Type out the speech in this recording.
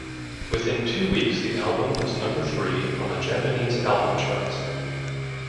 Within two weeks the album was number three on the Japanese album charts.